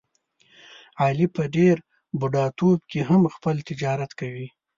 علي په ډېر بوډاتوب کې هم خپل تجارت کوي.